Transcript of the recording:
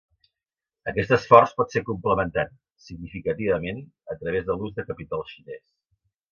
Aquest esforç pot ser complementat significativament a través de l'ús de capital xinès.